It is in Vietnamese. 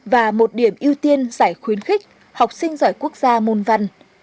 và một điểm ưu tiên giải khuyến khích học sinh giỏi quốc gia môn văn